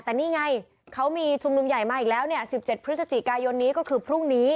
แต่นี่ไงเขามีชุมนุมใหญ่มาอีกแล้ว๑๗พฤศจิกายนนี้ก็คือพรุ่งนี้